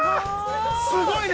すごいね。